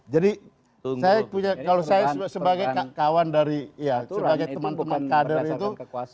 jadi kalau saya sebagai kawan dari ya sebagai teman teman kader itu